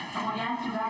sesuai dengan tempat perut